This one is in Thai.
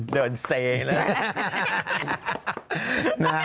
โดนเซเลย